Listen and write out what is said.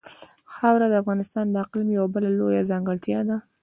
خاوره د افغانستان د اقلیم یوه بله لویه ځانګړتیا ده.